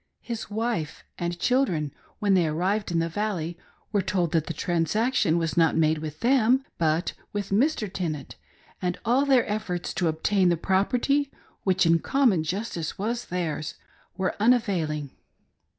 His wife and children, when they arrived in the Valley, were told that the transaction was not made with them but with Mr. Tenant, and all their efforts to obtain the property, which in common justice was theirs, were unavailing.